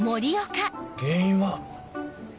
原因は？